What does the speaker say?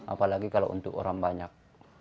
apalagi kalau untuk orang banyak